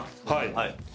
はい。